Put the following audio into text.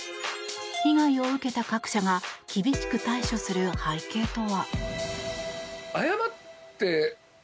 被害を受けた各社が厳しく対処する背景とは。